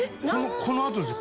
このあとですよ